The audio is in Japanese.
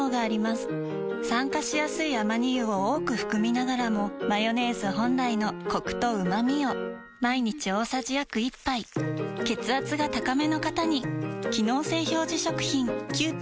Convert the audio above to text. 酸化しやすいアマニ油を多く含みながらもマヨネーズ本来のコクとうまみを毎日大さじ約１杯血圧が高めの方に機能性表示食品